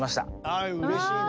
あうれしいね。